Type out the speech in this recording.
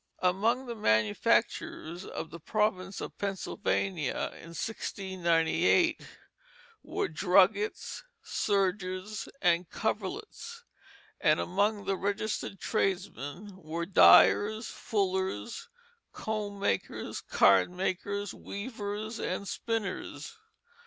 Among the manufactures of the province of Pennsylvania in 1698 were druggets, serges, and coverlets; and among the registered tradesmen were dyers, fullers, comb makers, card makers, weavers, and spinners.